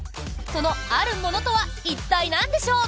そのあるものとは一体なんでしょう？